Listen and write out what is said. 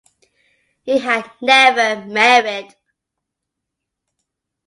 He had never married.